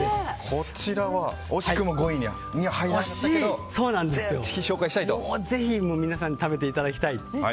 こちらは惜しくも５位に入らなかったけどもうぜひ皆さんに食べていただきたい。